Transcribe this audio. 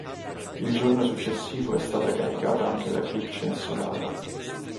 Il giorno successivo è stata caricata anche la clip censurata.